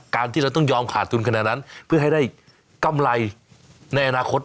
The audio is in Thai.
การที่เราต้องยอมขาดทุนขนาดนั้นเพื่อให้ได้กำไรในอนาคต